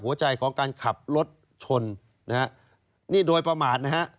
หัวใจของการขับรถชนนะฮะนี่โดยประมาทนะฮะ